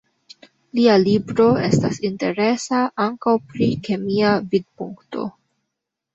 Lia libro estas interesa ankaŭ pri kemia vidpunkto.